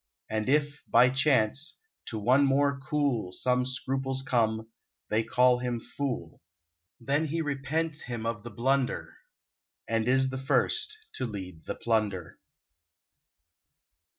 And if, by chance, to one more cool Some scruples come, they call him fool: Then he repents him of the blunder, And is the first to lead the plunder.